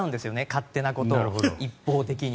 勝手なことを、一方的に。